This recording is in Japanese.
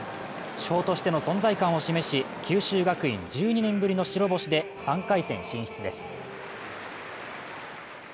主砲としての存在感を示し九州学院１２年ぶりの白星で３回戦進出です。